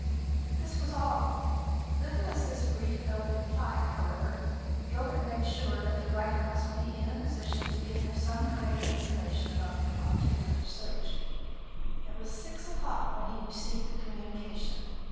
This was all. Little as this brief note implied, however, Gilbert made sure that the writer must be in a position to give him some kind of information about the object of his search. It was six o'clock when he received the communication.